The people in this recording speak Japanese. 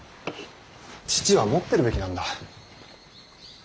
父は持ってるべきなんだ。